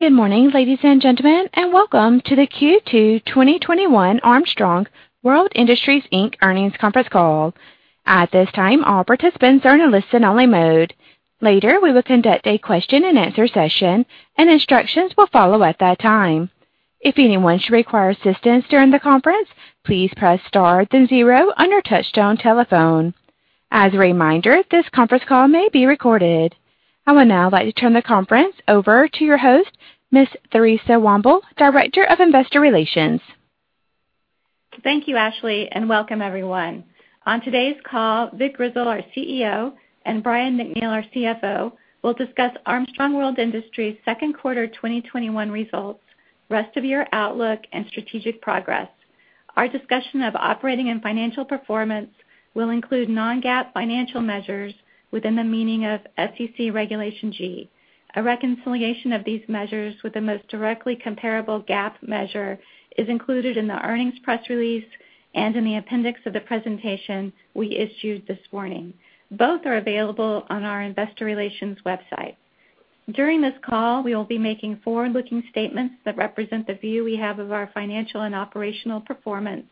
Good morning, ladies and gentlemen, and welcome to the Q2 2021 Armstrong World Industries Inc. earnings conference call. At this time, all participants are in a listen-only mode. Later, we will conduct a question-and-answer session; instructions will follow at that time. If anyone should require assistance during the conference, please press star then zero on your touch-tone telephone. As a reminder, this conference call may be recorded. I would now like to turn the conference over to your host, Ms. Theresa Womble, Director of Investor Relations. Thank you, Ashley, and welcome everyone. On today's call, Vic Grizzle, our CEO, and Brian MacNeal, our CFO, will discuss Armstrong World Industries' Q2 2021 results, rest-of-year outlook, and strategic progress. Our discussion of operating and financial performance will include non-GAAP financial measures within the meaning of SEC Regulation G. A reconciliation of these measures with the most directly comparable GAAP measure is included in the earnings press release and in the appendix of the presentation we issued this morning. Both are available on our investor relations website. During this call, we will be making forward-looking statements that represent the view we have of our financial and operational performance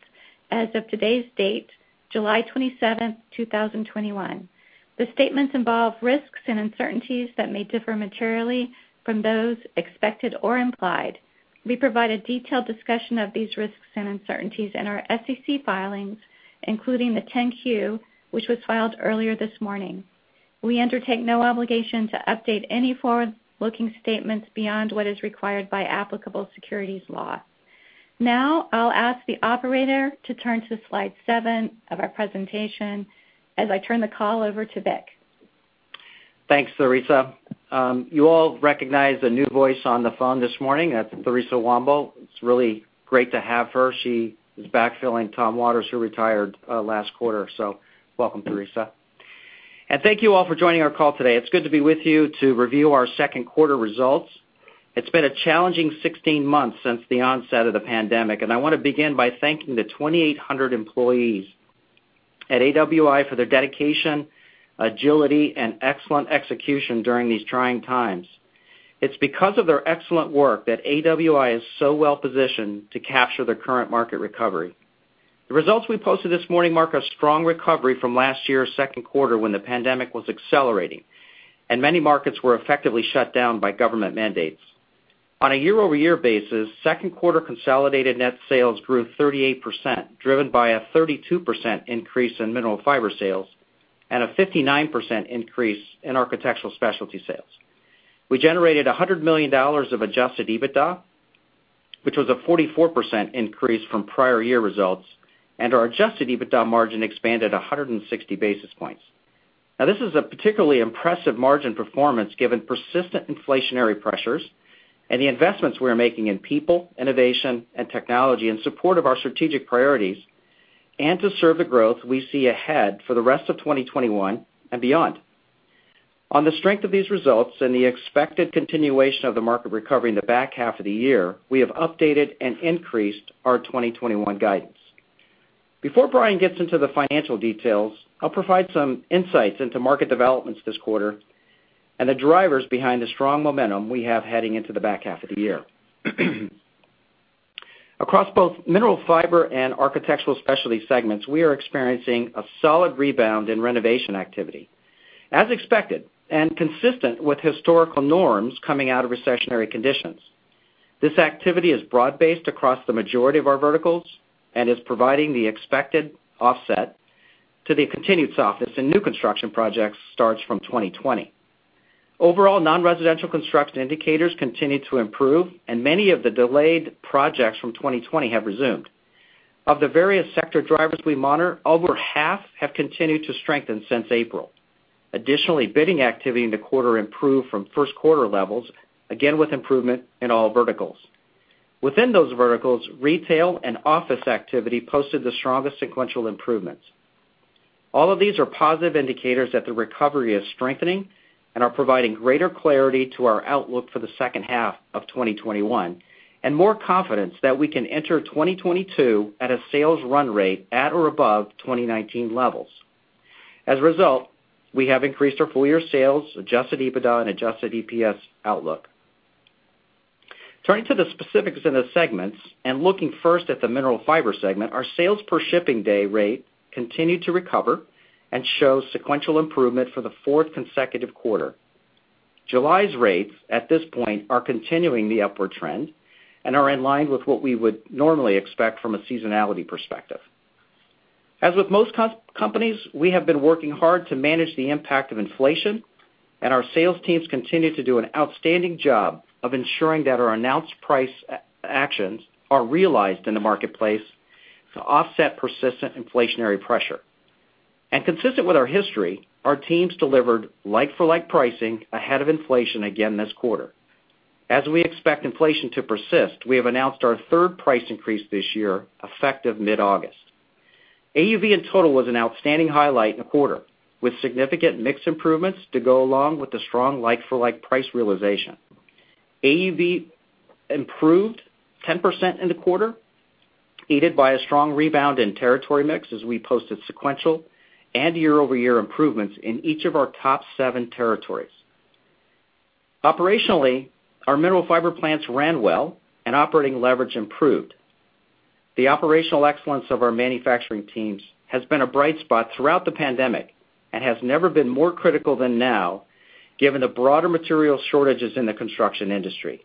as of today's date, July 27th, 2021. The statements involve risks and uncertainties that may differ materially from those expected or implied. We provide a detailed discussion of these risks and uncertainties in our SEC filings, including the 10-Q, which was filed earlier this morning. We undertake no obligation to update any forward-looking statements beyond what is required by applicable securities law. I'll ask the operator to turn to slide seven of our presentation as I turn the call over to Vic. Thanks, Theresa. You all recognize a new voice on the phone this morning. That's Theresa Womble. It's really great to have her. She is backfilling Tom Waters, who retired last quarter. Welcome, Theresa. Thank you all for joining our call today. It's good to be with you to review our second quarter results. It's been a challenging 16 months since the onset of the pandemic, and I want to begin by thanking the 2,800 employees at AWI for their dedication, agility, and excellent execution during these trying times. It's because of their excellent work that AWI is so well-positioned to capture the current market recovery. The results we posted this morning mark a strong recovery from last year's second quarter, when the pandemic was accelerating, and many markets were effectively shut down by government mandates. On a year-over-year basis, second quarter consolidated net sales grew 38%, driven by a 32% increase in Mineral Fiber sales and a 59% increase in Architectural Specialties sales. We generated $100 million of adjusted EBITDA, which was a 44% increase from prior year results, and our adjusted EBITDA margin expanded 160 basis points. This is a particularly impressive margin performance given persistent inflationary pressures and the investments we are making in people, innovation, and technology in support of our strategic priorities and to serve the growth we see ahead for the rest of 2021 and beyond. On the strength of these results and the expected continuation of the market recovery in the back half of the year, we have updated and increased our 2021 guidance. Before Brian gets into the financial details, I'll provide some insights into market developments this quarter and the drivers behind the strong momentum we have heading into the back half of the year. Across both Mineral Fiber and Architectural Specialties segments, we are experiencing a solid rebound in renovation activity. As expected, and consistent with historical norms coming out of recessionary conditions, this activity is broad-based across the majority of our verticals and is providing the expected offset to the continued softness in new construction project starts from 2020. Overall, non-residential construction indicators continue to improve, and many of the delayed projects from 2020 have resumed. Of the various sector drivers we monitor, over half have continued to strengthen since April. Additionally, bidding activity in the quarter improved from first-quarter levels, again, with improvement in all verticals. Within those verticals, retail and office activity posted the strongest sequential improvements. All of these are positive indicators that the recovery is strengthening and are providing greater clarity to our outlook for the second half of 2021, and more confidence that we can enter 2022 at a sales run rate at or above 2019 levels. As a result, we have increased our full-year sales, adjusted EBITDA, and adjusted EPS outlook. Turning to the specifics in the segments and looking first at the Mineral Fiber segment, our sales per shipping day rate continued to recover and shows sequential improvement for the fourth consecutive quarter. July's rates at this point are continuing the upward trend and are in line with what we would normally expect from a seasonality perspective. As with most companies, we have been working hard to manage the impact of inflation, our sales teams continue to do an outstanding job of ensuring that our announced price actions are realized in the marketplace to offset persistent inflationary pressure. Consistent with our history, our teams delivered like-for-like pricing ahead of inflation again this quarter. As we expect inflation to persist, we have announced our third price increase this year, effective mid-August. AUV in total was an outstanding highlight in the quarter, with significant mix improvements to go along with the strong like-for-like price realization. AUV improved 10% in the quarter. Aided by a strong rebound in territory mix, as we posted sequential and year-over-year improvements in each of our top seven territories. Operationally, our Mineral Fiber plants ran well, and operating leverage improved. The operational excellence of our manufacturing teams has been a bright spot throughout the pandemic and has never been more critical than now, given the broader material shortages in the construction industry.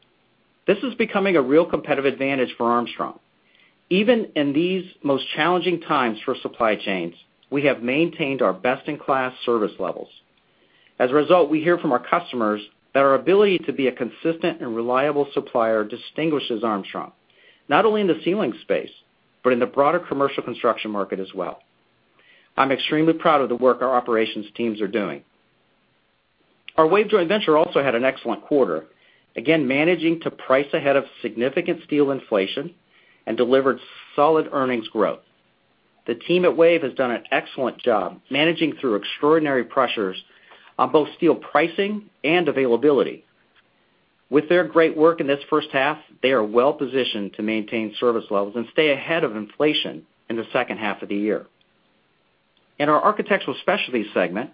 This is becoming a real competitive advantage for Armstrong. Even in these most challenging times for supply chains, we have maintained our best-in-class service levels. As a result, we hear from our customers that our ability to be a consistent and reliable supplier distinguishes Armstrong, not only in the ceiling space, but in the broader commercial construction market as well. I'm extremely proud of the work our operations teams are doing. Our WAVE joint venture also had an excellent quarter, again, managing to price ahead of significant steel inflation and delivered solid earnings growth. The team at WAVE has done an excellent job managing through extraordinary pressures on both steel pricing and availability. With their great work in this first half, they are well-positioned to maintain service levels and stay ahead of inflation in the second half of the year. In our Architectural Specialties segment,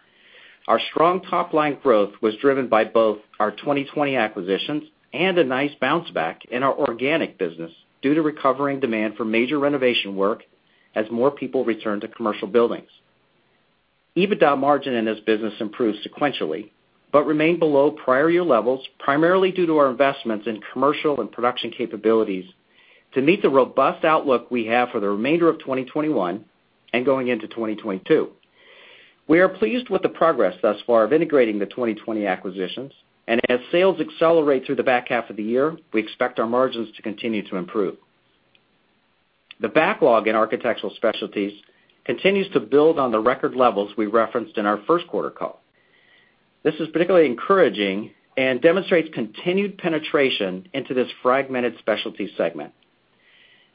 our strong top-line growth was driven by both our 2020 acquisitions and a nice bounce-back in our organic business due to recovering demand for major renovation work as more people return to commercial buildings. EBITDA margin in this business improved sequentially, but remained below prior-year levels, primarily due to our investments in commercial and production capabilities to meet the robust outlook we have for the remainder of 2021 and going into 2022. We are pleased with the progress thus far of integrating the 2020 acquisitions, and as sales accelerate through the back half of the year, we expect our margins to continue to improve. The backlog in Architectural Specialties continues to build on the record levels we referenced in our first quarter call. This is particularly encouraging and demonstrates continued penetration into this Fragmented Specialty segment.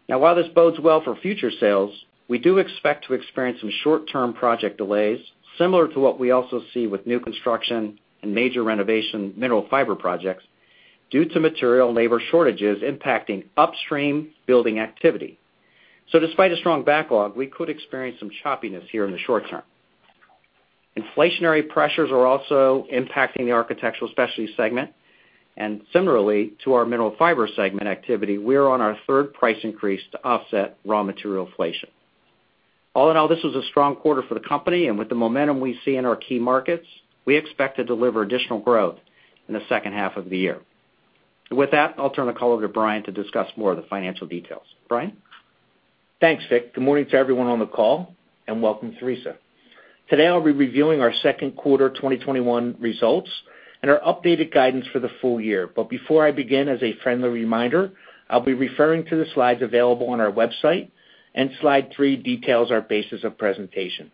While this bodes well for future sales, we do expect to experience some short-term project delays, similar to what we also see with new construction and major renovation Mineral Fiber projects, due to material and labor shortages impacting upstream building activity. Despite a strong backlog, we could experience some choppiness here in the short term. Inflationary pressures are also impacting the Architectural Specialties segment. Similarly to our Mineral Fiber segment activity, we are on our third price increase to offset raw material inflation. All in all, this was a strong quarter for the company, and with the momentum we see in our key markets, we expect to deliver additional growth in the second half of the year. With that, I'll turn the call over to Brian to discuss more of the financial details. Brian? Thanks, Vic. Good morning to everyone on the call, and welcome, Theresa. Today, I'll be reviewing our second quarter 2021 results and our updated guidance for the full year. Before I begin, as a friendly reminder, I'll be referring to the slides available on our website, and slide three details our basis of presentation.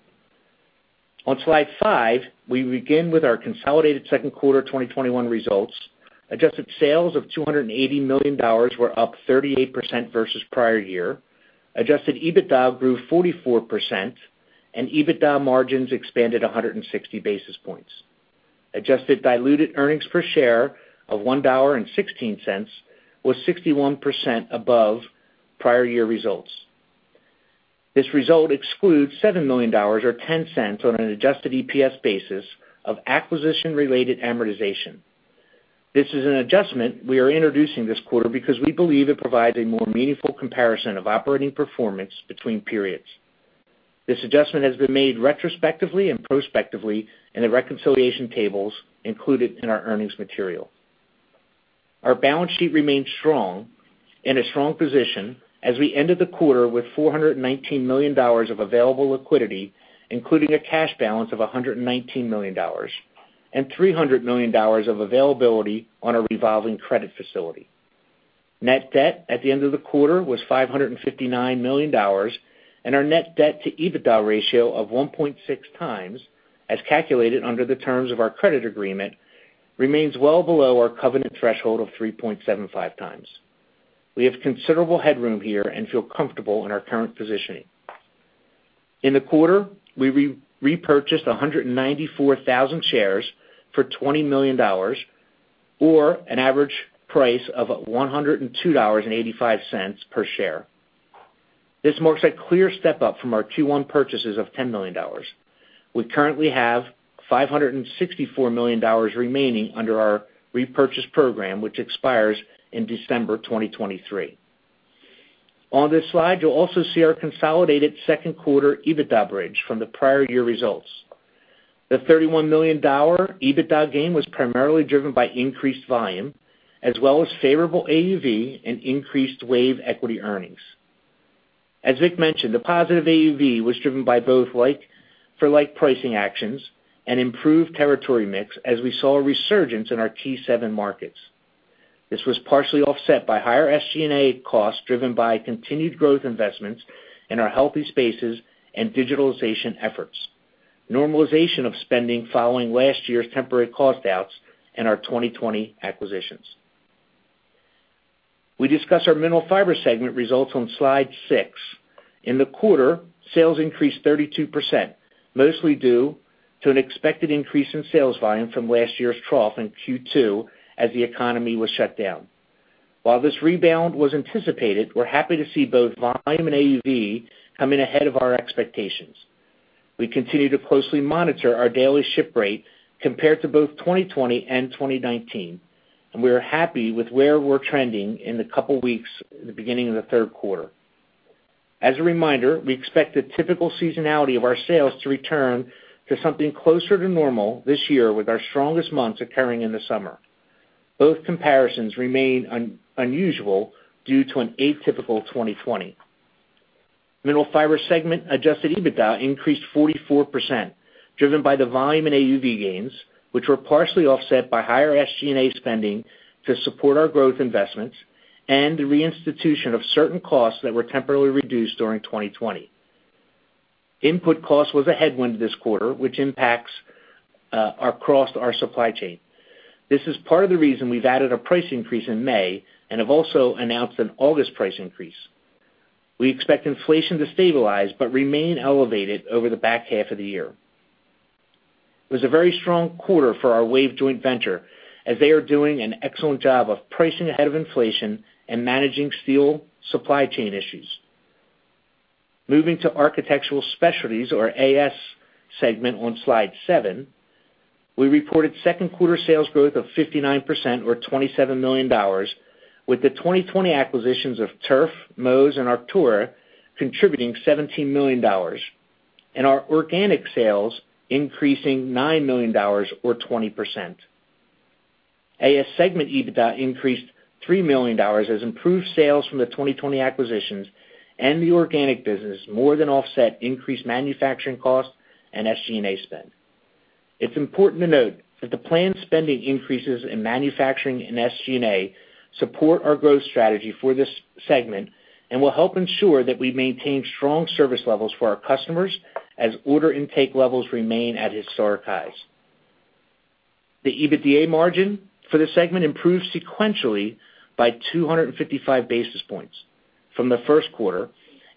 On slide five, we begin with our consolidated second quarter 2021 results. Adjusted sales of $280 million were up 38% versus the prior year. Adjusted EBITDA grew 44%, and EBITDA margins expanded 160 basis points. Adjusted diluted earnings per share of $1.16 was 61% above prior year results. This result excludes $7 million, or $0.10 on an adjusted EPS basis, of acquisition-related amortization. This is an adjustment we are introducing this quarter because we believe it provides a more meaningful comparison of operating performance between periods. This adjustment has been made retrospectively and prospectively in the reconciliation tables included in our earnings material. Our balance sheet remains strong, in a strong position as we ended the quarter with $419 million of available liquidity, including a cash balance of $119 million and $300 million of availability on a revolving credit facility. Net debt at the end of the quarter was $559 million, and our net debt to EBITDA ratio of 1.6x, as calculated under the terms of our credit agreement, remains well below our covenant threshold of 3.75x. We have considerable headroom here and feel comfortable in our current positioning. In the quarter, we repurchased 194,000 shares for $20 million, or an average price of $102.85 per share. This marks a clear step up from our Q1 purchases of $10 million. We currently have $564 million remaining under our repurchase program, which expires in December 2023. On this slide, you'll also see our consolidated second-quarter EBITDA bridge from the prior year results. The $31 million EBITDA gain was primarily driven by increased volume as well as favorable AUV and increased WAVE equity earnings. As Vic mentioned, the positive AUV was driven by both like-for-like pricing actions and improved territory mix as we saw a resurgence in our T7 markets. This was partially offset by higher SG&A costs driven by continued growth investments in our Healthy Spaces and digitalization efforts, normalization of spending following last year's temporary cost outs, and our 2020 acquisitions. We discuss our Mineral Fiber segment results on slide six. In the quarter, sales increased 32%, mostly due to an expected increase in sales volume from last year's trough in Q2, as the economy was shut down. While this rebound was anticipated, we're happy to see both volume and AUV coming ahead of our expectations. We continue to closely monitor our daily ship rate compared to both 2020 and 2019, and we are happy with where we're trending in the couple of weeks, at the beginning of the third quarter. As a reminder, we expect the typical seasonality of our sales to return to something closer to normal this year, with our strongest months occurring in the summer. Both comparisons remain unusual due to an atypical 2020. Mineral Fiber segment adjusted EBITDA increased 44%, driven by the volume in AUV gains, which were partially offset by higher SG&A spending to support our growth investments and the reinstitution of certain costs that were temporarily reduced during 2020. Input cost was a headwind this quarter, which impacts across our supply chain. This is part of the reason we've added a price increase in May and have also announced an August price increase. We expect inflation to stabilize but remain elevated over the back half of the year. It was a very strong quarter for our WAVE joint venture, as they are doing an excellent job of pricing ahead of inflation and managing steel supply chain issues. Moving to the Architectural Specialties or AS segment on slide seven, we reported second quarter sales growth of 59% or $27 million, with the 2020 acquisitions of Turf, Móz, and Arktura contributing $17 million and our organic sales increasing $9 million or 20%. AS segment EBITDA increased $3 million, as improved sales from the 2020 acquisitions and the organic business more than offset increased manufacturing costs and SG&A spend. It's important to note that the planned spending increases in manufacturing and SG&A support our growth strategy for this segment and will help ensure that we maintain strong service levels for our customers as order intake levels remain at historic highs. The EBITDA margin for the segment improved sequentially by 255 basis points from the first quarter.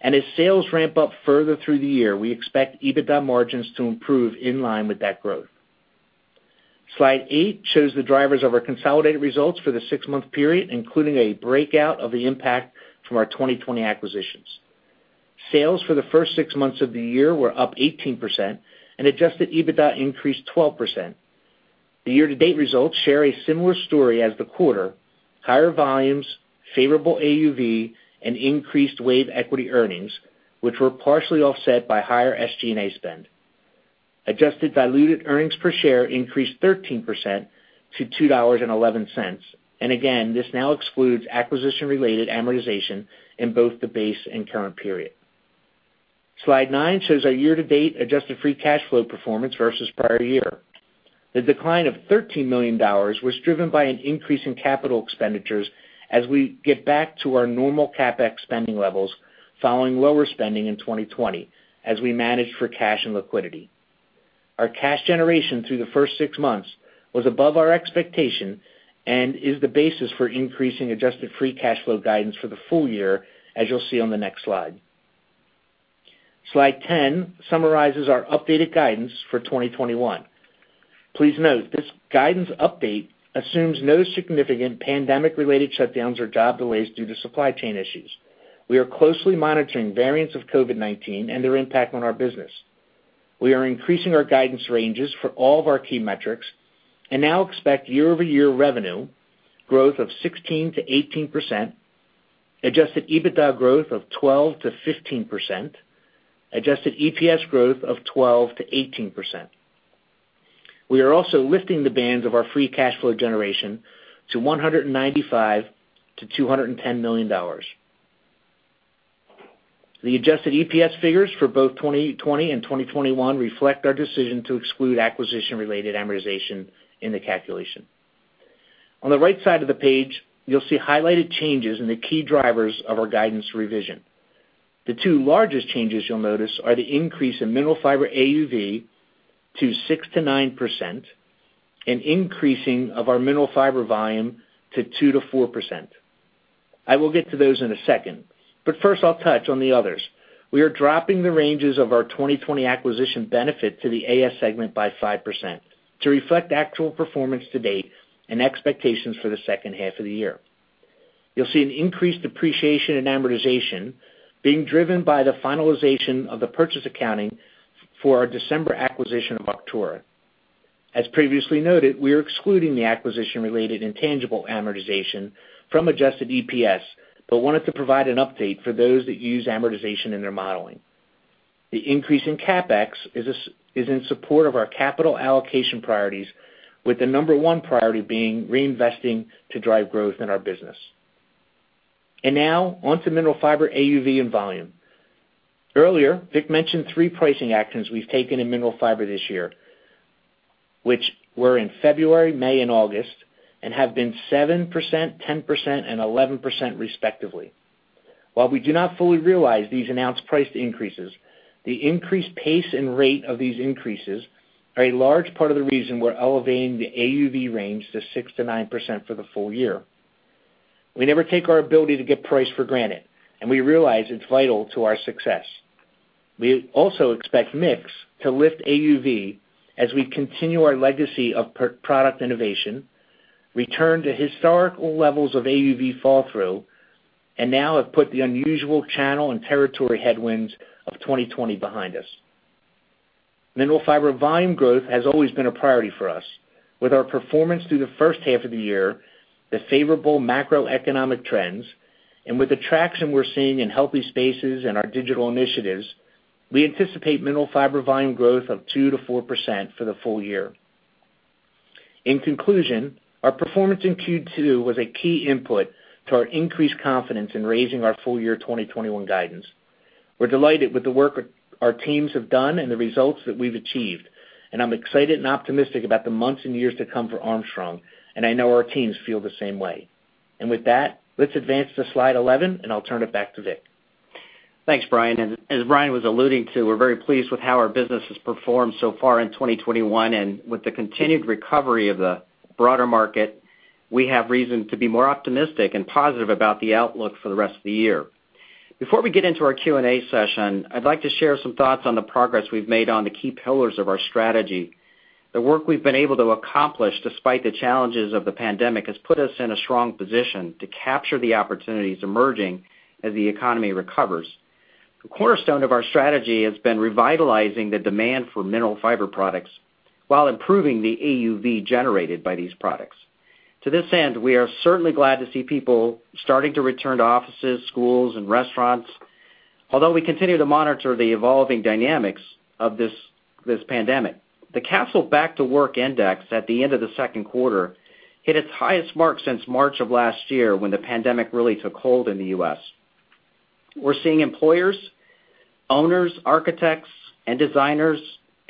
As sales ramp up further through the year, we expect EBITDA margins to improve in line with that growth. Slide eight shows the drivers of our consolidated results for the six-month period, including a breakout of the impact from our 2020 acquisitions. Sales for the first six months of the year were up 18%, and adjusted EBITDA increased 12%. The year-to-date results share a similar story as the quarter: higher volumes, favorable AUV, and increased WAVE equity earnings, which were partially offset by higher SG&A spend. Adjusted diluted earnings per share increased 13% to $2.11. Again, this now excludes acquisition-related amortization in both the base and current period. Slide nine shows our year-to-date adjusted free cash flow performance versus the prior year. The decline of $13 million was driven by an increase in capital expenditures as we get back to our normal CapEx spending levels, following lower spending in 2020 as we managed for cash and liquidity. Our cash generation through the first six months was above our expectations and is the basis for increasing adjusted free cash flow guidance for the full year, as you'll see on the next slide. Slide 10 summarizes our updated guidance for 2021. Please note this guidance update assumes no significant pandemic-related shutdowns or job delays due to supply chain issues. We are closely monitoring variants of COVID-19 and their impact on our business. We are increasing our guidance ranges for all of our key metrics and now expect year-over-year revenue growth of 16%-18%, adjusted EBITDA growth of 12%-15%, adjusted EPS growth of 12%-18%. We are also lifting the bands of our free cash flow generation to $195 million-$210 million. The adjusted EPS figures for both 2020 and 2021 reflect our decision to exclude acquisition-related amortization in the calculation. On the right side of the page, you'll see highlighted changes in the key drivers of our guidance revision. The two largest changes you'll notice are the increase in Mineral Fiber AUV to 6%-9% and increasing of our Mineral Fiber volume to 2%-4%. I will get to those in a second; first, I'll touch on the others. We are dropping the ranges of our 2020 acquisition benefit to the AS segment by 5% to reflect actual performance to date and expectations for the second half of the year. You'll see an increased depreciation and amortization being driven by the finalization of the purchase accounting for our December acquisition of Arktura. As previously noted, we are excluding the acquisition-related intangible amortization from adjusted EPS, but wanted to provide an update for those that use amortization in their modeling. The increase in CapEx is in support of our capital allocation priorities, with the number one priority being reinvesting to drive growth in our business. Now on to Mineral Fiber AUV and volume. Earlier, Vic mentioned three pricing actions we've taken in Mineral Fiber this year, which were in February, May, and August, and have been 7%, 10%, and 11%, respectively. While we do not fully realize these announced price increases, the increased pace and rate of these increases are a large part of the reason we're elevating the AUV range to 6%-9% for the full year. We never take our ability to get a price for granted, and we realize it's vital to our success. We also expect the mix to lift AUV as we continue our legacy of product innovation, return to historical levels of AUV fall-through, and now have put the unusual channel and territory headwinds of 2020 behind us. Mineral Fiber volume growth has always been a priority for us. With our performance through the first half of the year, the favorable macroeconomic trends, and with the traction we're seeing in Healthy Spaces and our digital initiatives, we anticipate Mineral Fiber volume growth of 2%-4% for the full year. In conclusion, our performance in Q2 was a key input to our increased confidence in raising our full-year 2021 guidance. We're delighted with the work our teams have done and the results that we've achieved. I'm excited and optimistic about the months and years to come for Armstrong. I know our teams feel the same way. With that, let's advance to slide 11. I'll turn it back to Vic. Thanks, Brian. As Brian was alluding to, we're very pleased with how our business has performed so far in 2021, and with the continued recovery of the broader market, we have reason to be more optimistic and positive about the outlook for the rest of the year. Before we get into our Q&A session, I'd like to share some thoughts on the progress we've made on the key pillars of our strategy. The work we've been able to accomplish despite the challenges of the pandemic has put us in a strong position to capture the opportunities emerging as the economy recovers. The cornerstone of our strategy has been revitalizing the demand for Mineral Fiber products while improving the AUV generated by these products. To this end, we are certainly glad to see people starting to return to offices, schools, and restaurants, although we continue to monitor the evolving dynamics of this pandemic. The Kastle Back to Work Index at the end of the second quarter hit its highest mark since March of last year, when the pandemic really took hold in the U.S. We're seeing employers, owners, architects, and designers,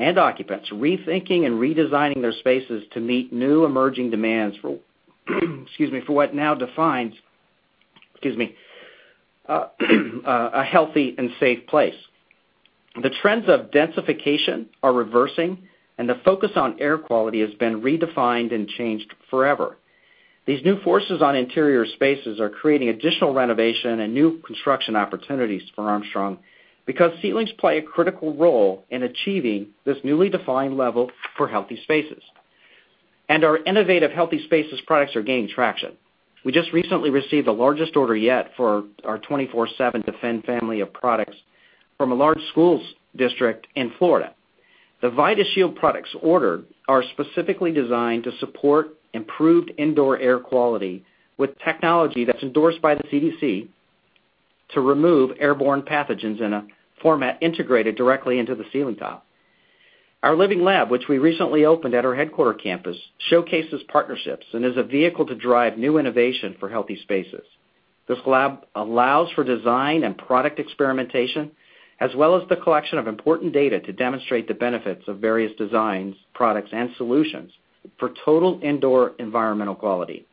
and occupants rethinking and redesigning their spaces to meet new emerging demands for what now defines a healthy and safe place. The trends of densification are reversing, and the focus on air quality has been redefined and changed forever. These new forces on interior spaces are creating additional renovation and new construction opportunities for Armstrong because ceilings play a critical role in achieving this newly defined level for healthy spaces, and our innovative Healthy Spaces products are gaining traction. We just recently received the largest order yet for our 24/7 Defend family of products from a large school district in Florida. The VIDASHIELD products ordered are specifically designed to support improved indoor air quality with technology that's endorsed by the CDC to remove airborne pathogens in a format integrated directly into the ceiling tile. Our Living Lab, which we recently opened at our headquarters campus, showcases partnerships and is a vehicle to drive new innovation for Healthy Spaces. This lab allows for design and product experimentation, as well as the collection of important data to demonstrate the benefits of various designs, products, and solutions for total indoor environmental quality.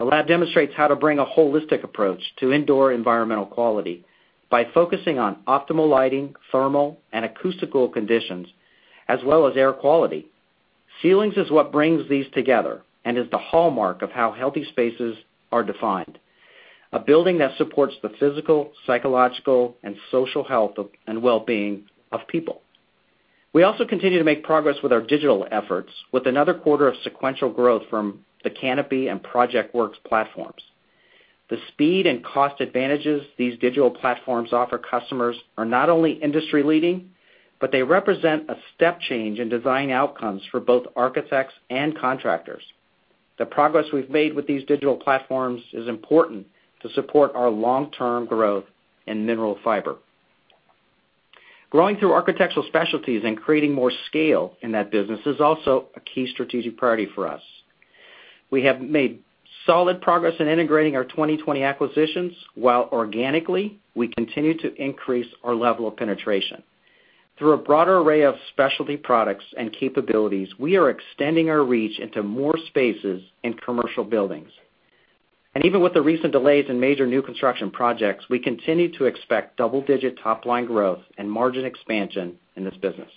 The lab demonstrates how to bring a holistic approach to indoor environmental quality by focusing on optimal lighting, thermal, and acoustical conditions, as well as air quality. Ceilings is what bring these together and is the hallmark of how Healthy Spaces are defined. A building that supports the physical, psychological, and social health and well-being of people. We also continue to make progress with our digital efforts with another quarter of sequential growth from the Kanopi and PROJECTWORKS platforms. The speed and cost advantages these digital platforms offer customers are not only industry-leading, but they represent a step change in design outcomes for both architects and contractors. The progress we've made with these digital platforms is important to support our long-term growth in Mineral Fiber. Growing through Architectural Specialties and creating more scale in that business is also a key strategic priority for us. We have made solid progress in integrating our 2020 acquisitions, while organically, we continue to increase our level of penetration. Through a broader array of specialty products and capabilities, we are extending our reach into more spaces in commercial buildings. Even with the recent delays in major new construction projects, we continue to expect double-digit top-line growth and margin expansion in this business.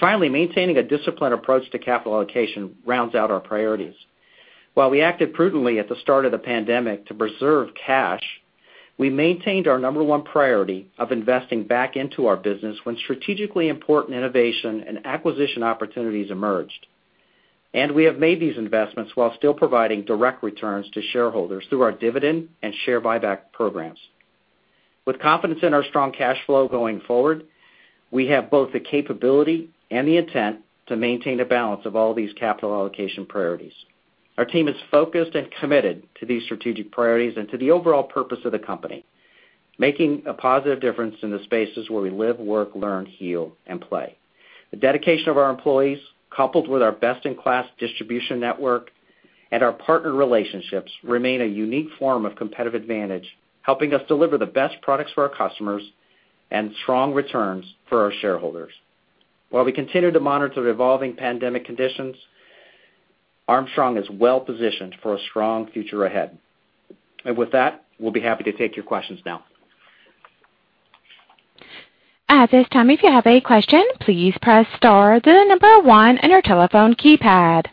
Finally, maintaining a disciplined approach to capital allocation rounds out our priorities. While we acted prudently at the start of the pandemic to preserve cash, we maintained our number one priority of investing back into our business when strategically important innovation and acquisition opportunities emerged. We have made these investments while still providing direct returns to shareholders through our dividend and share buyback programs. With confidence in our strong cash flow going forward, we have both the capability and the intent to maintain a balance of all these capital allocation priorities. Our team is focused and committed to these strategic priorities and to the overall purpose of the company, making a positive difference in the spaces where we live, work, learn, heal, and play. The dedication of our employees, coupled with our best-in-class distribution network and our partner relationships, remains a unique form of competitive advantage, helping us deliver the best products for our customers and strong returns for our shareholders. While we continue to monitor evolving pandemic conditions, Armstrong is well-positioned for a strong future ahead. With that, we'll be happy to take your questions now. At this time, if you have a question, please press star, then the number one on your telephone keypad.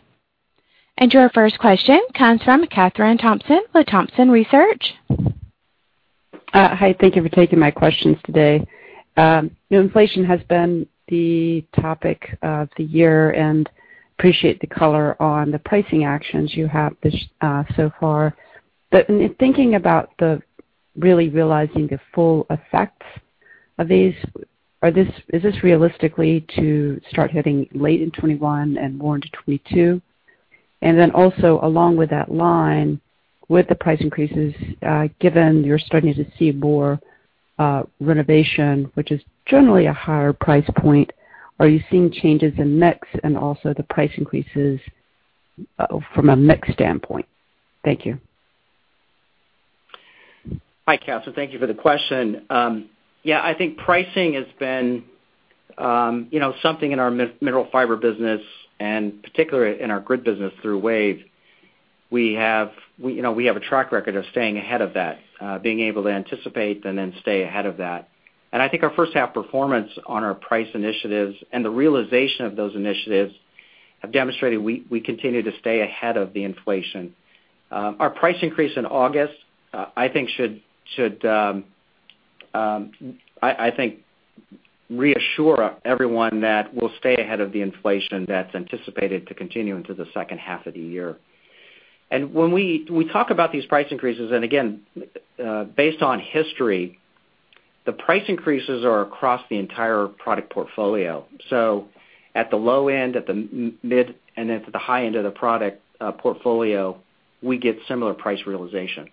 Your first question comes from Kathryn Thompson with Thompson Research. Hi. Thank you for taking my questions today. Inflation has been the topic of the year. Appreciate the color on the pricing actions you have so far. In thinking about really realizing the full effects of these, is this realistically to start hitting late in 2021 and more into 2022? Also, along with that line, with the price increases, given you're starting to see more renovation, which is generally a higher price point, are you seeing changes in mix, and also the price increases from a mix standpoint? Thank you. Hi, Kathryn. Thank you for the question. Yeah, I think pricing has been something in our Mineral Fiber business, and particularly in our grid business through WAVE. We have a track record of staying ahead of that, being able to anticipate and then stay ahead of that. I think our first half performance on our price initiatives and the realization of those initiatives have demonstrated we continue to stay ahead of the inflation. Our price increase in August, I think, should reassure everyone that we'll stay ahead of the inflation that's anticipated to continue into the second half of the year. When we talk about these price increases, again, based on history, the price increases are across the entire product portfolio. At the low end, at the mid, and at the high end of the product portfolio, we get similar price realization.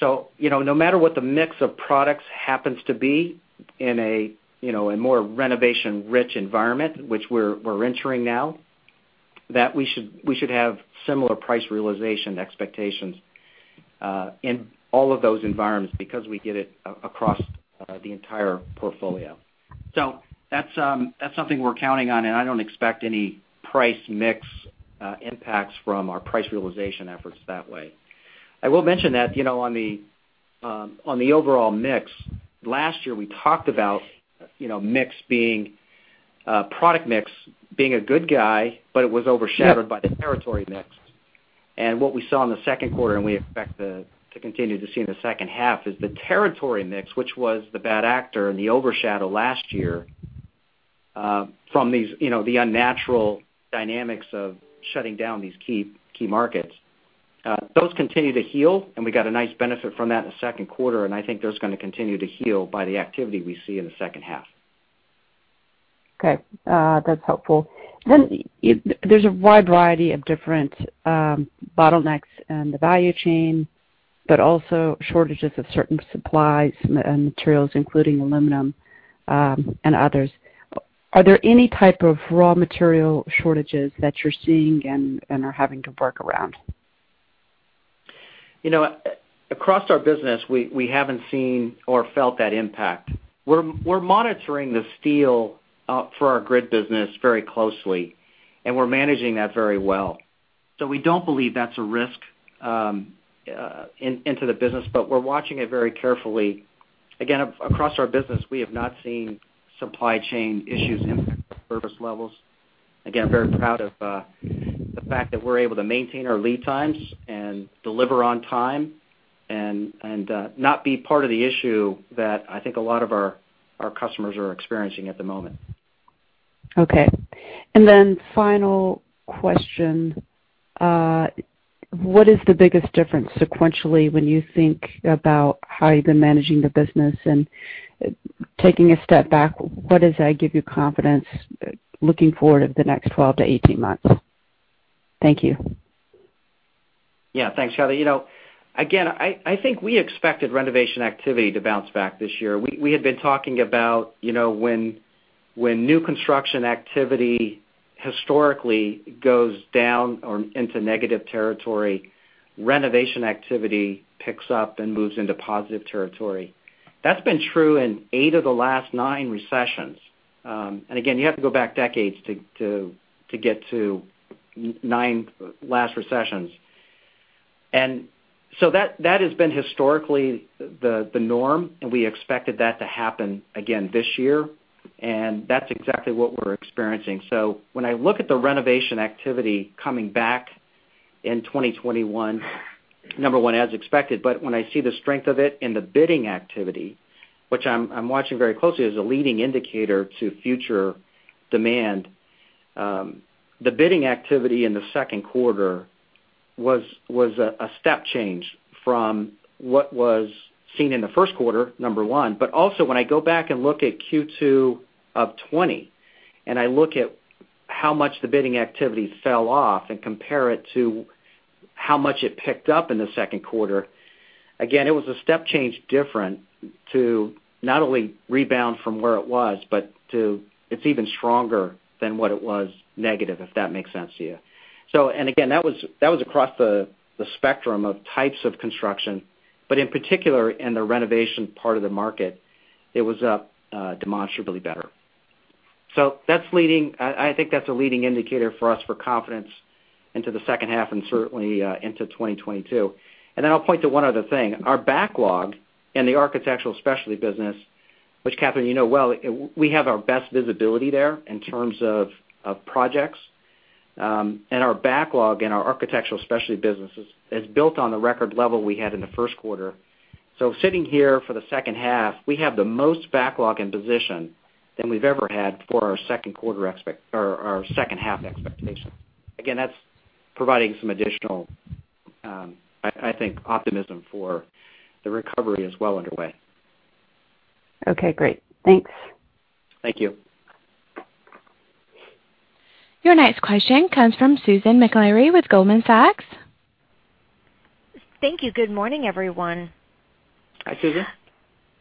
No matter what the mix of products happens to be in a more renovation-rich environment, which we're entering now, we should have similar price realization expectations in all of those environments because we get it across the entire portfolio. That's something we're counting on, and I don't expect any price mix impacts from our price realization efforts that way. I will mention that on the overall mix, last year, we talked about product mix being a good guy, but it was overshadowed by the territory mix. What we saw in the second quarter, and we expect to continue to see in the second half, is the territory mix, which was the bad actor and the overshadow last year from the unnatural dynamics of shutting down these key markets. Those continue to heal, and we got a nice benefit from that in the second quarter, and I think those are going to continue to heal by the activity we see in the second half. Okay. That's helpful. There's a wide variety of different bottlenecks in the value chain, but also shortages of certain supplies and materials, including aluminum and others. Are there any types of raw material shortages that you're seeing and are having to work around? Across our business, we haven't seen or felt that impact. We're monitoring the steel for our grid business very closely, and we're managing that very well. We don't believe that's a risk into the business, but we're watching it very carefully. Again, across our business, we have not seen supply chain issues impact service levels. Again, very proud of the fact that we're able to maintain our lead times and deliver on time and not be part of the issue that I think a lot of our customers are experiencing at the moment. Okay. Final question. What is the biggest difference sequentially when you think about how you've been managing the business and taking a step back, what does that give you confidence looking forward over the next 12-18 months? Thank you. Thanks, Kathryn. I think we expected renovation activity to bounce back this year. We had been talking about when new construction activity historically goes down or into negative territory, renovation activity picks up and moves into positive territory. That's been true in eight of the last nine recessions. Again, you have to go back decades to get to the nine last recessions. That has been historically the norm, and we expected that to happen again this year, and that's exactly what we're experiencing. When I look at the renovation activity coming back in 2021, number one, as expected, but when I see the strength of it in the bidding activity, which I'm watching very closely as a leading indicator to future demand. The bidding activity in the second quarter was a step change from what was seen in the first quarter, number one. When I go back and look at Q2 2020, and I look at how much the bidding activity fell off and compare it to how much it picked up in the second quarter. It was a step change different to not only rebound from where it was, but it's even stronger than what it was negative, if that makes sense to you. That was across the spectrum of types of construction. In particular, in the renovation part of the market, it was up demonstrably better. I think that's a leading indicator for us for confidence into the second half and certainly into 2022. I'll point to one other thing. Our backlog in the Architectural Specialties business, which Kathryn, you know well, we have our best visibility there in terms of projects. Our backlog in our Architectural Specialties business has built on the record level we had in the first quarter. Sitting here for the second half, we have the most backlog in position than we've ever had for our second half expectation. Again, that's providing some additional, I think, optimism for the recovery is well underway. Okay, great. Thanks. Thank you. Your next question comes from Susan Maklari with Goldman Sachs. Thank you. Good morning, everyone. Hi, Susan.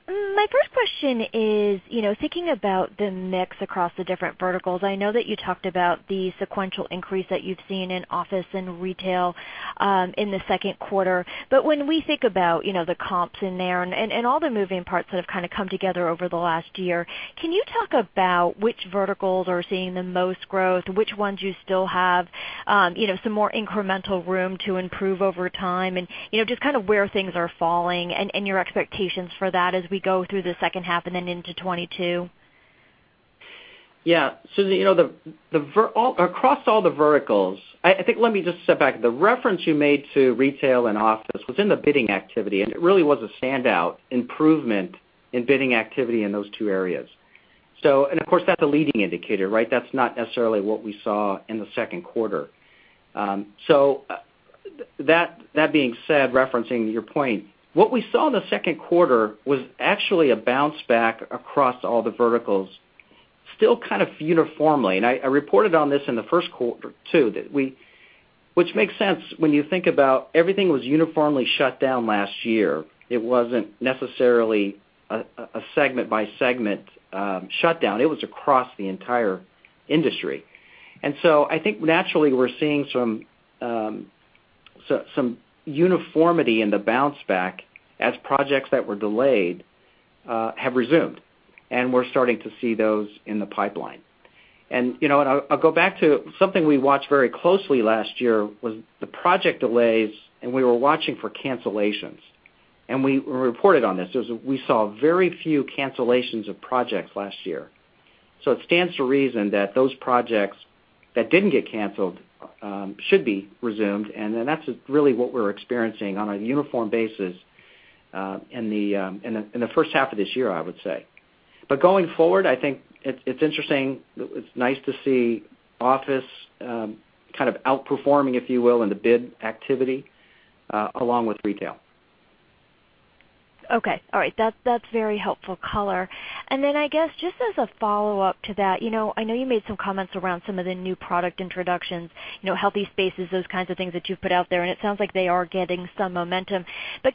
My first question is, thinking about the mix across the different verticals, I know that you talked about the sequential increase that you've seen in office and retail in the second quarter, but when we think about the comps in there and all the moving parts that have come together over the last year, can you talk about which verticals are seeing the most growth, which ones you still have some more incremental room to improve over time and, just where things are falling and your expectations for that as we go through the second half and then into 2022? Yeah. Susan, across all the verticals, I think let me just step back. The reference you made to retail and office was in the bidding activity. It really was a standout improvement in bidding activity in those two areas. Of course, that's a leading indicator, right? That's not necessarily what we saw in the second quarter. That being said, referencing your point, what we saw in the second quarter was actually a bounce back across all the verticals, still kind of uniformly. I reported on this in the first quarter, too, which makes sense when you think about everything was uniformly shut down last year. It wasn't necessarily a segment-by-segment shutdown. It was across the entire industry. I think naturally, we're seeing some uniformity in the bounce back as projects that were delayed have resumed, and we're starting to see those in the pipeline. I'll go back to something we watched very closely last year, was the project delays, and we were watching for cancellations, and we reported on this. We saw very few cancellations of projects last year. It stands to reason that those projects that didn't get canceled should be resumed, and then that's really what we're experiencing on a uniform basis in the first half of this year, I would say. Going forward, I think it's interesting. It's nice to see the office kind of outperforming, if you will, in the bid activity, along with retail. Okay. All right. That's a very helpful color. I guess, just as a follow-up to that, I know you made some comments around some of the new product introductions, Healthy Spaces, those kinds of things that you've put out there, and it sounds like they are getting some momentum.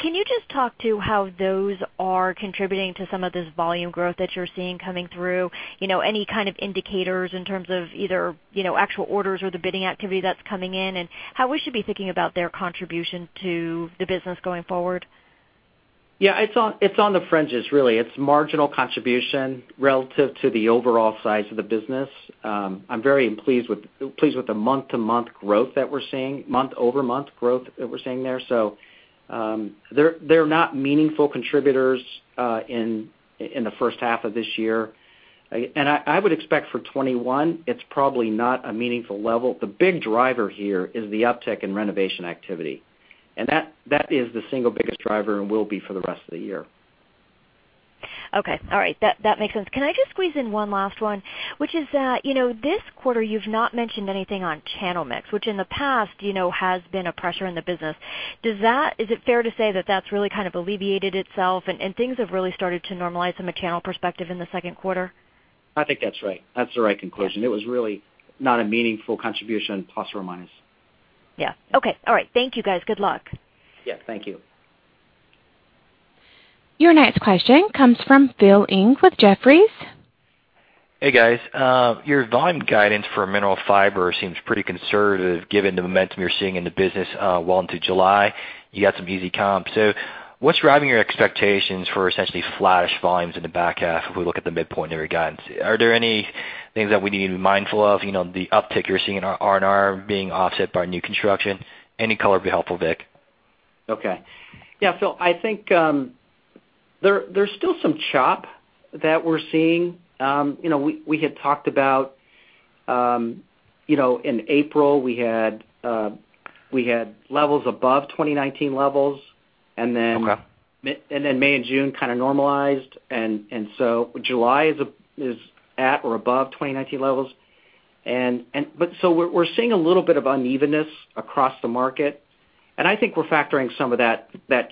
Can you just talk to how those are contributing to some of this volume growth that you're seeing coming through? Any kind of indicators in terms of either actual orders or the bidding activity that's coming in, and how we should be thinking about their contribution to the business going forward? Yeah, it's on the fringes, really. It's a marginal contribution relative to the overall size of the business. I'm very pleased with the month-over-month growth that we're seeing there. They're not meaningful contributors in the first half of this year. I would expect for 2021, it's probably not a meaningful level. The big driver here is the uptick in renovation activity, and that is the single biggest driver and will be for the rest of the year. Okay. All right. That makes sense. Can I just squeeze in one last one, which is, this quarter you've not mentioned anything on channel mix, which in the past has been a pressure in the business. Is it fair to say that that's really alleviated itself and things have really started to normalize from a channel perspective in the second quarter? I think that's right. That's the right conclusion. Yeah. It was really not a meaningful contribution, plus or minus. Yeah. Okay. All right. Thank you, guys. Good luck. Yeah, thank you. Your next question comes from Phil Ng with Jefferies. Hey, guys. Your volume guidance for Mineral Fiber seems pretty conservative, given the momentum you're seeing in the business well into July. You got some easy comps. What is driving your expectations for essentially flattish volumes in the back half if we look at the midpoint of your guidance? Are there any things that we need to be mindful of? The uptick you're seeing in R&R being offset by new construction? Any color would be helpful, Vic. Okay. Yeah, Phil, I think there is still some chop that we are seeing. We had talked about in April, we had levels above 2019 levels. Okay. May and June kind of normalized. July is at or above 2019 levels. We're seeing a little bit of unevenness across the market, and I think we're factoring some of that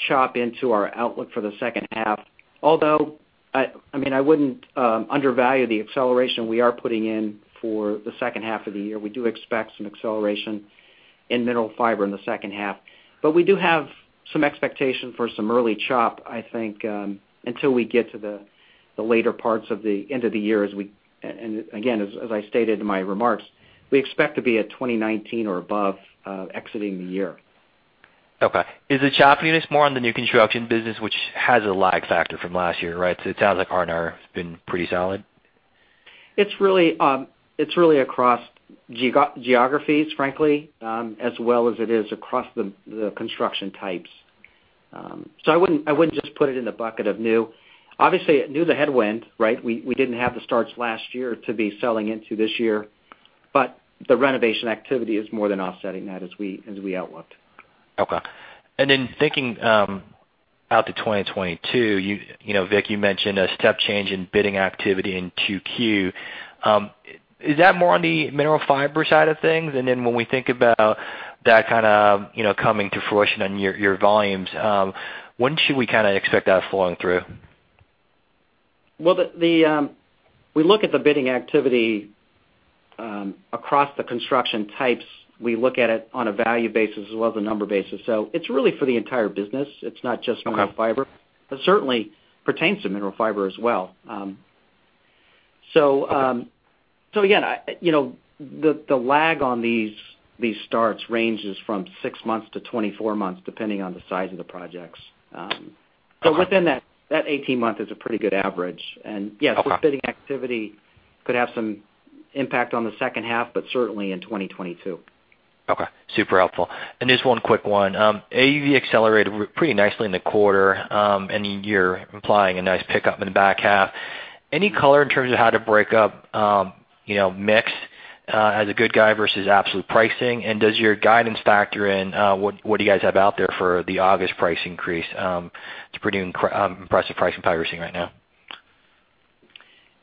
chop into our outlook for the second half. I wouldn't undervalue the acceleration we are putting in for the second half of the year. We do expect some acceleration in Mineral Fiber in the second half. We do have some expectation for some early chop, I think, until we get to the later parts of the end of the year. Again, as I stated in my remarks, we expect to be at 2019 or above exiting the year. Okay. Is the chop units more on the new construction business, which has a lag factor from last year, right? It sounds like R&R has been pretty solid. It's really across geographies, frankly, as well as it is across the construction types. I wouldn't just put it in the bucket of new. Obviously, new is a headwind, right? We didn't have the starts last year to be selling into this year, but the renovation activity is more than offsetting that as we outlooked. Okay. Thinking out to 2022, Vic, you mentioned a step change in bidding activity in 2Q. Is that more on the Mineral Fiber side of things? When we think about that kind of coming to fruition on your volumes, when should we kind of expect that flowing through? Well, we look at the bidding activity across the construction types. We look at it on a value basis as well as a number basis. It's really for the entire business. It's not just- Okay mineral fiber. Certainly pertains to mineral fiber as well. Again, the lag on these starts ranges from 6-24 months, depending on the size of the projects. Okay. Within that, 18 months is a pretty good average. Okay. Bidding activity could have some impact on the second half, but certainly in 2022. Okay, super helpful. Just one quick one. AUV accelerated pretty nicely in the quarter, and you're implying a nice pickup in the back half. Any color in terms of how to break up mix as a good guide versus absolute pricing, and does your guidance factor in what you guys have out there for the August price increase? It's a pretty impressive price and pricing right now.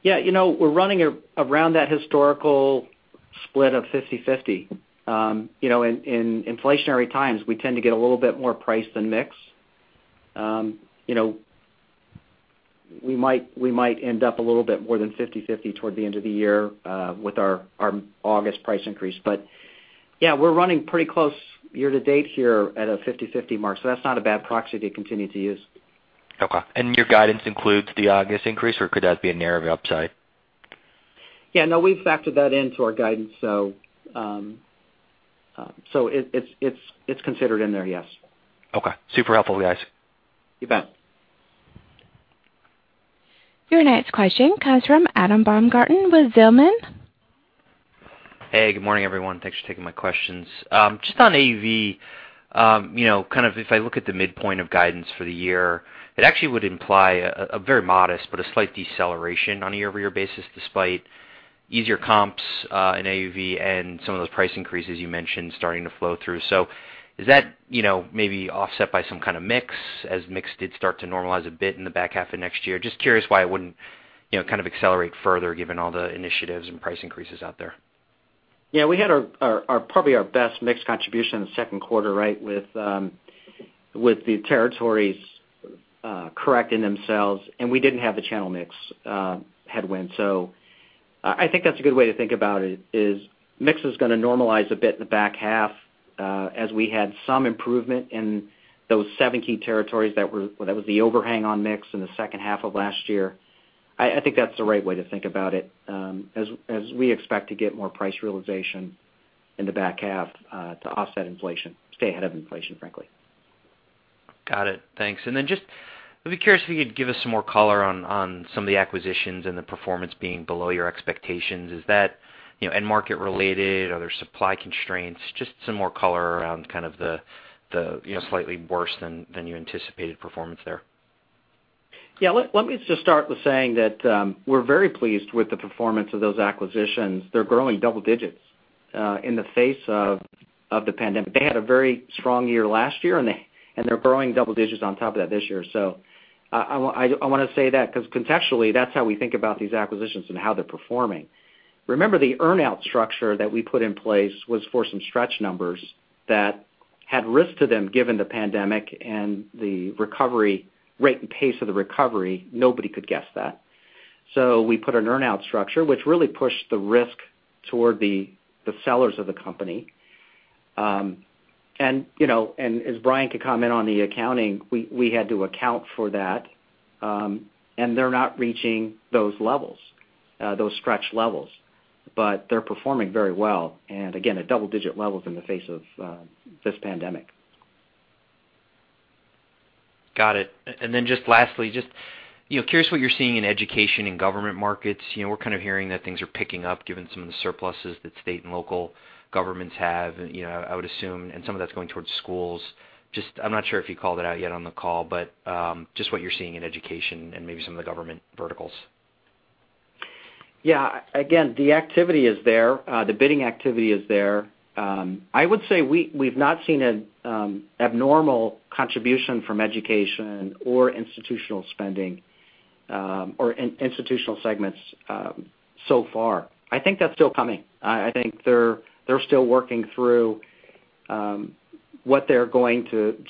We're running around that historical split of 50/50. In inflationary times, we tend to get a little bit more price than mix. We might end up a little bit more than 50/50 toward the end of the year with our August price increase. We're running pretty close year to date here at a 50/50 mark, so that's not a bad proxy to continue to use. Okay. Your guidance includes the August increase, or could that be an area of upside? Yeah, no, we've factored that into our guidance. It's considered in there, yes. Okay. Super helpful, guys. You bet. Your next question comes from Adam Baumgarten with Zelman. Hey, good morning, everyone. Thanks for taking my questions. Just on AUV, kind of if I look at the midpoint of guidance for the year, it actually would imply a very modest but slight deceleration on a year-over-year basis, despite easier comps in AUV and some of those price increases you mentioned starting to flow through. Is that maybe offset by some kind of mix, as mix did start to normalize a bit in the back half of next year? Just curious why it wouldn't kind of accelerate further, given all the initiatives and price increases out there. Yeah, we had probably our best mix contribution in the second quarter, right, with the territories correcting themselves, and we didn't have the channel mix headwind. I think that's a good way to think about it, is mix is going to normalize a bit in the back half, as we had some improvement in those seven key territories that was the overhang on mix in the second half of last year. I think that's the right way to think about it, as we expect to get more price realization in the back half to offset inflation, stay ahead of inflation, frankly. Got it. Thanks. I'd be curious if you could give us some more color on some of the acquisitions and the performance being below your expectations. Is that end market related? Are there supply constraints? Just some more color around, kind of the slightly worse than you anticipated performance there. Yeah. Let me just start with saying that we're very pleased with the performance of those acquisitions. They're growing double digits in the face of the pandemic. They had a very strong year last year, and they're growing double digits on top of that this year. I want to say that because contextually, that's how we think about these acquisitions and how they're performing. Remember, the earn-out structure that we put in place was for some stretch numbers that had risk to them, given the pandemic and the recovery rate and pace of the recovery. Nobody could guess that. We put an earn-out structure, which really pushed the risk toward the sellers of the company. As Brian could comment on the accounting, we had to account for that, and they're not reaching those levels, those stretch levels. They're performing very well, and again, at double-digit levels in the face of this pandemic. Got it. Then, just lastly, just curious what you're seeing in education and government markets. We're kind of hearing that things are picking up, given some of the surpluses that state and local governments have, I would assume, and some of that's going towards schools. I'm not sure if you called that out yet on the call, but just what you're seeing in education and maybe some of the government verticals. Yeah. The activity is there. The bidding activity is there. I would say we've not seen an abnormal contribution from education or institutional spending, or institutional segments, so far. I think that's still coming. I think they're still working through what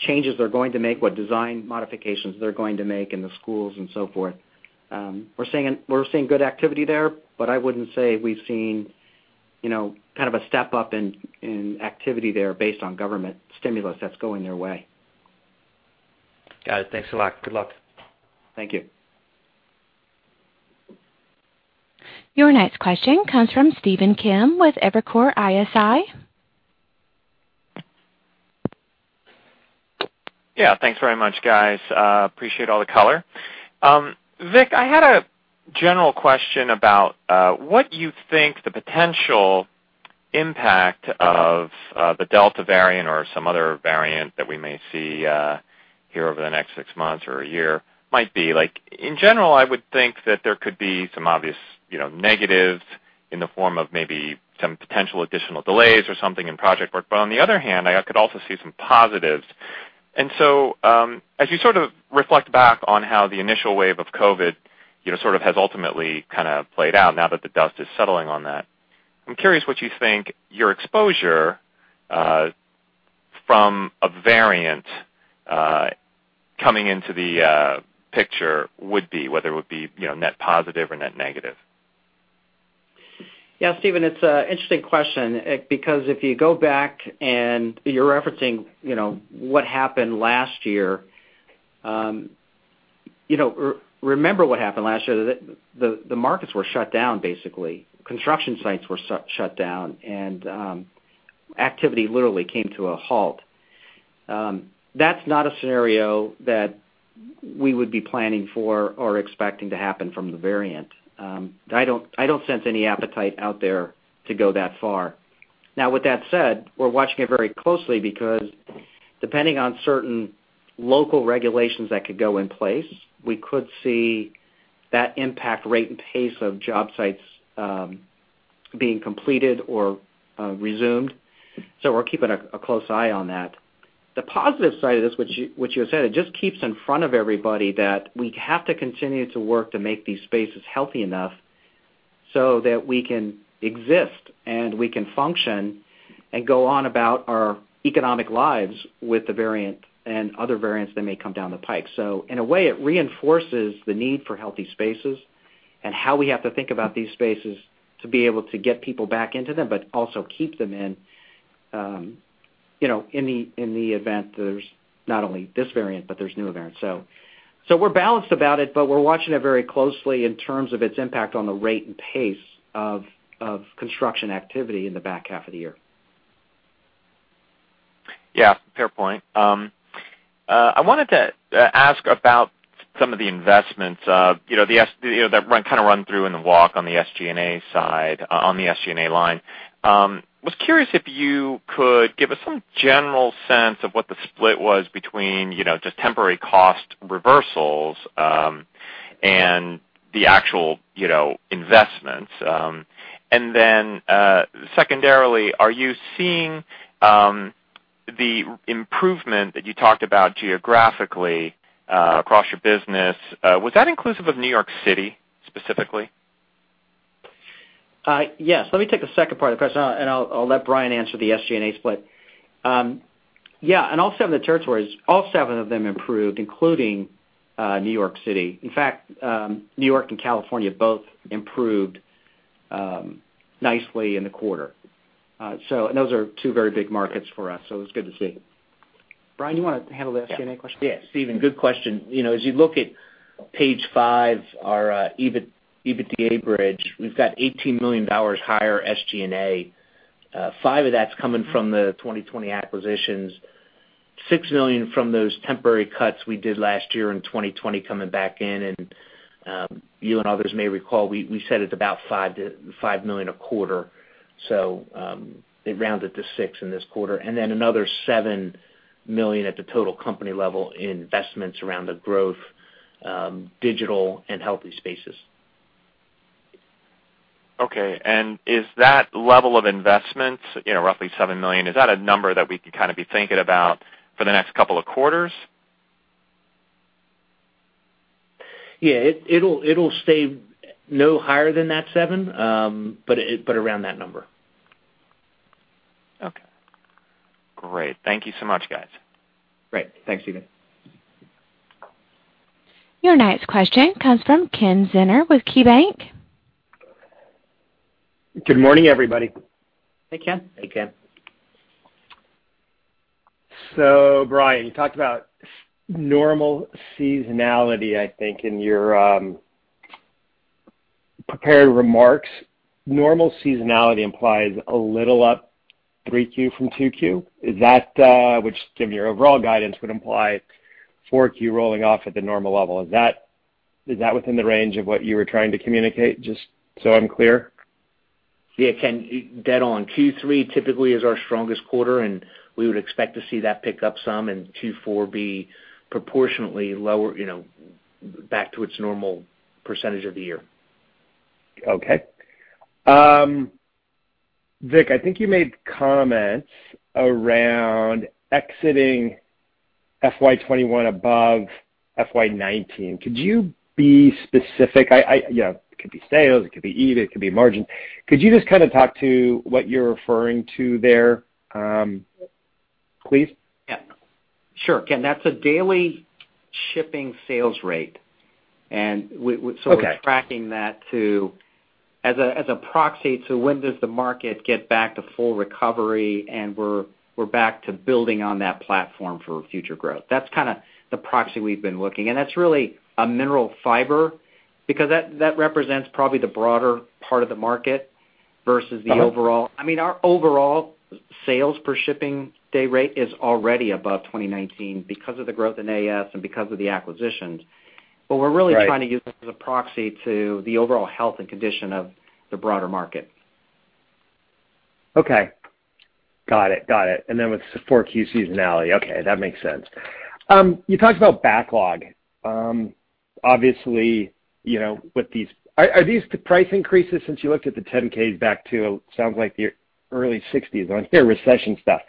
changes they're going to make, what design modifications they're going to make in the schools, and so forth. We're seeing good activity there, but I wouldn't say we've seen kind of a step up in activity there based on government stimulus that's going their way. Got it. Thanks a lot. Good luck. Thank you. Your next question comes from Stephen Kim with Evercore ISI. Yeah. Thanks very much, guys. Appreciate all the color. Vic, I had a general question about what you think the potential impact of the Delta variant or some other variant that we may see here over the next six months or a year might be like. In general, I would think that there could be some obvious negatives in the form of maybe some potential additional delays or something in project work. On the other hand, I could also see some positives. As you sort of reflect back on how the initial wave of COVID sort of has ultimately kind of played out now that the dust is settling on that, I'm curious what you think your exposure from a variant coming into the picture would be, whether it would be net positive or net negative. Yeah, Stephen, it's an interesting question because if you go back and you're referencing what happened last year. Remember what happened last year? The markets were shut down, basically. Construction sites were shut down, and activity literally came to a halt. That's not a scenario that we would be planning for or expecting to happen from the variant. I don't sense any appetite out there to go that far. With that said, we're watching it very closely because, depending on certain local regulations that could go in place, we could see that impact rate and pace of job sites being completed or resumed. We're keeping a close eye on that. The positive side of this, which you had said, it just keeps in front of everybody that we have to continue to work to make these spaces healthy enough so that we can exist, and we can function, and go on about our economic lives with the variant and other variants that may come down the pipe. In a way, it reinforces the need for healthy spaces and how we have to think about these spaces to be able to get people back into them, but also keep them in the event that there's not only this variant, but there's newer variants. We're balanced about it, but we're watching it very closely in terms of its impact on the rate and pace of construction activity in the back half of the year. Yeah, fair point. I wanted to ask about some of the investments that kind of run through in the walk on the SG&A side, on the SG&A line. Was curious if you could give us some general sense of what the split was between just temporary cost reversals and the actual investments? Secondarily, are you seeing the improvement that you talked about geographically across your business? Was that inclusive of New York City specifically? Yes. Let me take the second part of the question, and I'll let Brian answer the SG&A split. Yeah, all seven of the territories, all seven of them improved, including New York City. In fact, New York and California both improved nicely in the quarter. Those are two very big markets for us, so it was good to see. Brian, you want to handle the SG&A question? Stephen, good question. As you look at page five, our EBITDA bridge, we've got $18 million higher SG&A. $5 million of that's coming from the 2020 acquisitions, $6 million from those temporary cuts we did last year in 2020 coming back in, and you and others may recall, we said it's about $5 million a quarter. It rounded to $6 million in this quarter. Another $7 million at the total company level in investments around the growth, digital, and Healthy Spaces. Okay. Is that level of investment, roughly $7 million, is that a number that we could kind of be thinking about for the next couple of quarters? Yeah. It'll stay no higher than that $7 million, but around that number. Okay. Great. Thank you so much, guys. Great. Thanks, Stephen. Your next question comes from Kenneth Zener with KeyBank. Good morning, everybody. Hey, Ken. Hey, Ken. Brian, you talked about normal seasonality, I think, in your prepared remarks. Normal seasonality implies a little up 3Q from 2Q. Which, given your overall guidance, would imply 4Q rolling off at the normal level. Is that within the range of what you were trying to communicate, just so I'm clear? Yeah, Kenneth. Dead on. Q3 typically is our strongest quarter. We would expect to see that pick up some in Q4 B, proportionately lower, back to its normal percentage of the year. Okay. Vic, I think you made comments around exiting FY 2021 above FY 2019. Could you be specific? It could be sales, it could be EBIT, it could be margin. Could you just kind of talk to what you're referring to there, please? Yeah. Sure, Ken. That's a daily shipping sales rate. Okay. We're tracking that as a proxy to when does the market gets back to full recovery, and we're back to building on that platform for future growth. That's kind of the proxy we've been looking. That's really a Mineral Fiber because that represents probably the broader part of the market versus the overall. Our overall sales per shipping day rate is already above 2019 because of the growth in AS and because of the acquisitions. Right. We're really trying to use it as a proxy to the overall health and condition of the broader market. Okay. Got it. With the 4Q seasonality. Okay, that makes sense. You talked about the backlog. Are these the price increases since you looked at the 10-Ks back to, it sounds like the early 1960s, on here, recession stuff.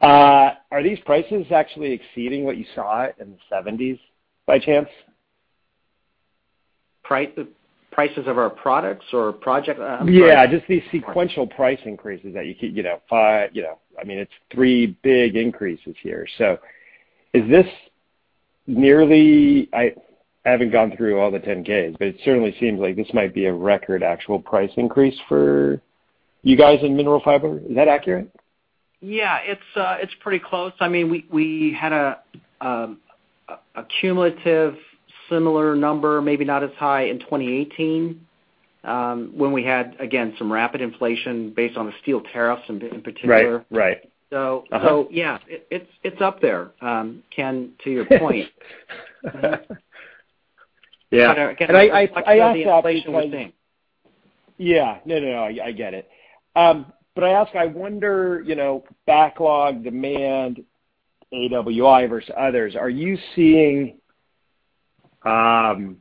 Are these prices actually exceeding what you saw in the 1970s by chance? Prices of our products or the project? I'm sorry. Yeah, just the sequential price increases. It's three big increases here. Is this nearly? I haven't gone through all the 10-Ks, but it certainly seems like this might be a record actual price increase for you guys in Mineral Fiber. Is that accurate? It's pretty close. We had a cumulative similar number, maybe not as high in 2018, when we had, again, some rapid inflation based on the steel tariffs in particular. Right. yeah. It's up there, Ken, to your point. Yeah. Again, a reflection of the inflation we're seeing. Yeah. No, I get it. I ask, I wonder, backlog, demand, AWI versus others. Are you seeing share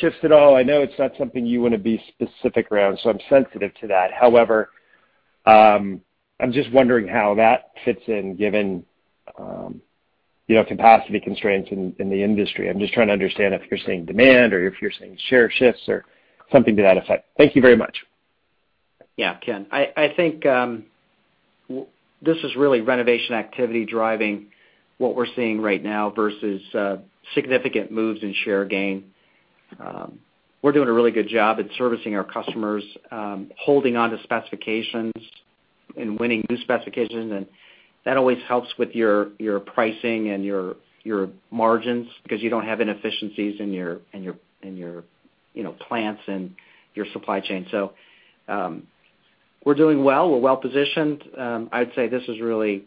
shifts at all? I know it's not something you want to be specific around, so I'm sensitive to that. However, I'm just wondering how that fits in, given capacity constraints in the industry. I'm just trying to understand if you're seeing demand or if you're seeing share shifts or something to that effect. Thank you very much. Yeah, Ken. I think this is really a renovation activity, driving what we're seeing right now versus significant moves in share gain. We're doing a really good job at servicing our customers, holding onto specifications and winning new specifications, and that always helps with your pricing and your margins because you don't have inefficiencies in your plants and your supply chain. We're doing well. We're well-positioned. I'd say this is really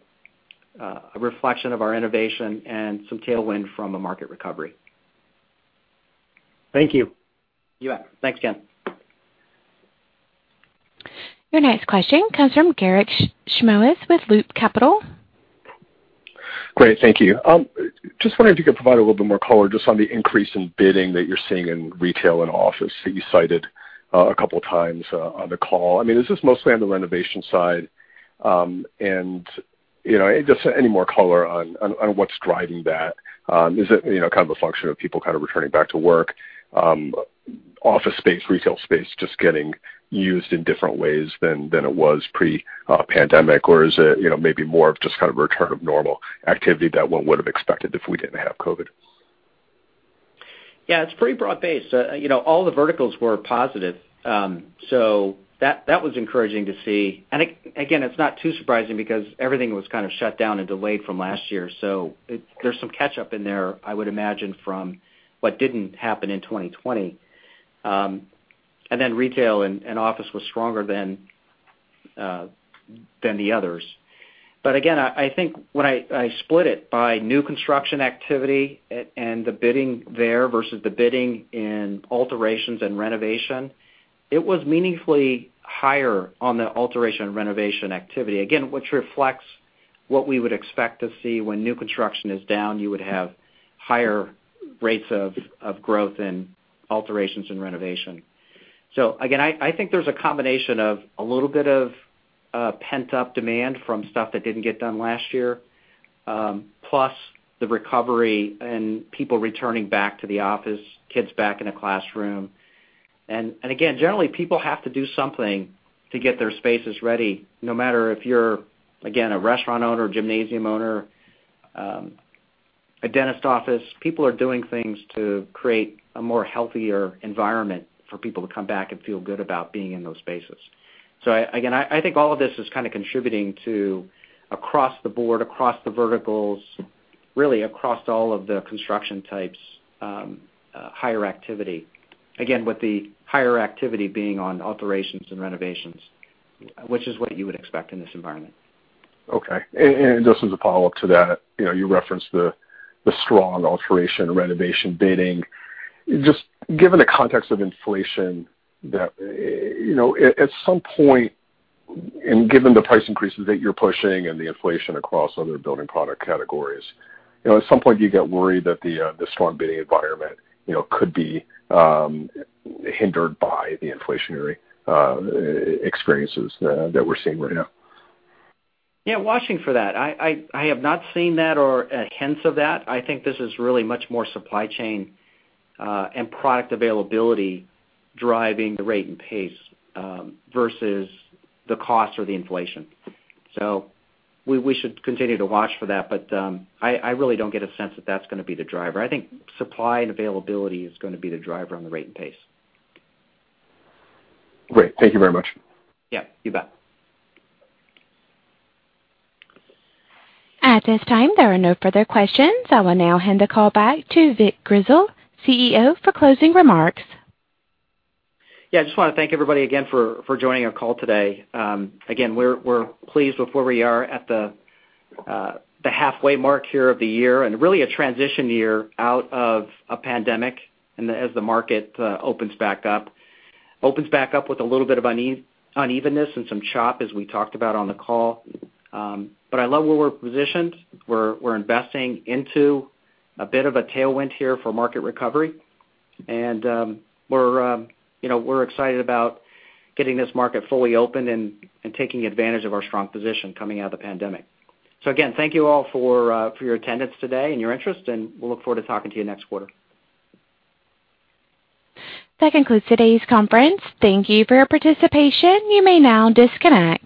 a reflection of our innovation and some tailwind from a market recovery. Thank you. You bet. Thanks, Ken. Your next question comes from Garik Shmois with Loop Capital. Great. Thank you. Just wondering if you could provide a little bit more color, just on the increase in bidding that you're seeing in retail and office that you cited a couple of times on the call. Is this mostly on the renovation side? Just any more color on what's driving that? Is it a function of people returning back to work, office space, retail space, just getting used in different ways than it was pre-pandemic, or is it maybe more of just kind of a return of normal activity that one would've expected if we didn't have COVID? Yeah, it's pretty broad-based. All the verticals were positive. That was encouraging to see. Again, it's not too surprising because everything was kind of shut down and delayed from last year. There's some catch-up in there, I would imagine, from what didn't happen in 2020. Then retail and office was stronger than the others. Again, I think when I split it by new construction activity and the bidding there versus the bidding in alterations and renovation, it was meaningfully higher on the alteration and renovation activity, again, which reflects what we would expect to see when new construction is down, you would have higher rates of growth in alterations and renovation. Again, I think there's a combination of a little bit of pent-up demand from stuff that didn't get done last year, plus the recovery and people returning back to the office, kids back in a classroom. Again, generally, people have to do something to get their spaces ready, no matter if you're, again, a restaurant owner, a gymnasium owner, a dentist's office. People are doing things to create a healthier environment for people to come back and feel good about being in those spaces. Again, I think all of this is kind of contributing to across the board, across the verticals, really across all of the construction types, higher activity. Again, with the higher activity being on alterations and renovations, which is what you would expect in this environment. Okay. Just as a follow-up to that, you referenced the strong alteration, renovation bidding. Given the context of inflation, at some point, and given the price increases that you're pushing and the inflation across other building product categories, at some point, do you get worried that the strong bidding environment could be hindered by the inflationary experiences that we're seeing right now? Watching for that. I have not seen that or hints of that. I think this is really much more supply chain and product availability driving the rate and pace versus the cost or the inflation. We should continue to watch for that, but I really don't get a sense that that's going to be the driver. I think supply and availability is going to be the driver on the rate and pace. Great. Thank you very much. Yeah, you bet. At this time, there are no further questions. I will now hand the call back to Vic Grizzle, CEO, for closing remarks. I just want to thank everybody again for joining our call today. We're pleased with where we are at the halfway mark here of the year, and really a transition year out of a pandemic, and as the market opens back up. Opens back up with a little bit of unevenness and some chop, as we talked about on the call. I love where we're positioned. We're investing into a bit of a tailwind here for market recovery, and we're excited about getting this market fully open and taking advantage of our strong position coming out of the pandemic. Again, thank you all for your attendance today and your interest, and we'll look forward to talking to you next quarter. That concludes today's conference. Thank you for your participation. You may now disconnect.